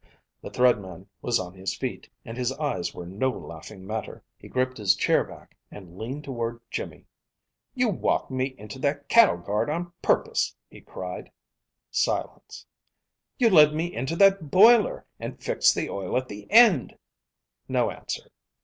The Thread Man was on his feet, and his eyes were no laughing matter. He gripped his chair back, and leaned toward Jimmy. "You walked me into that cattle guard on purpose!" he cried. Silence. "You led me into that boiler, and fixed the oil at the end!" No answer.